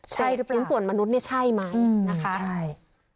ใช่หรือเปล่าชิ้นส่วนมนุษย์เนี่ยใช่ไหมอืมนะคะใช่